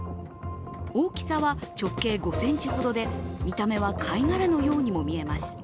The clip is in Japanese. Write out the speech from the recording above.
大きさは直径５ｃｍほどで見た目は貝殻のようにもみえます。